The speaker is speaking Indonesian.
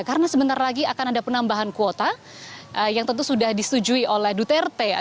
karena sebentar lagi akan ada penambahan kuota yang tentu sudah disetujui oleh duterte